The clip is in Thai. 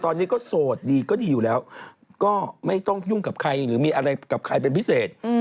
ตอนนี้ก็โสดดีก็ดีอยู่แล้วก็ไม่ต้องยุ่งกับใครหรือมีอะไรกับใครเป็นพิเศษ